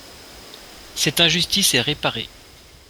Cette injustice est réparée.